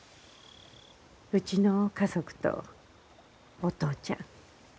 うちの家族とお父ちゃん。